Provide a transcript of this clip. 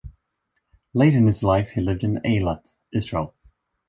Late in his life, he lived in Eilat, Israel.